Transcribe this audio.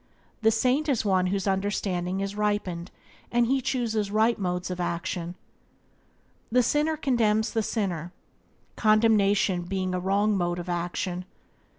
The saint is one whose understanding is ripened, and he wisely chooses right modes of action. The sinner condemns the sinner, condemnation being a wrong mode of action.